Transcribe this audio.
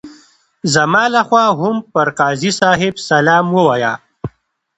زما لخوا هم پر قاضي صاحب سلام ووایه.